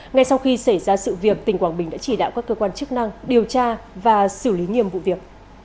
ngay sau khi xảy ra sự việc tỉnh quảng bình đã chỉ đạo các cơ quan chức năng điều tra và xử lý nghiêm vụ việc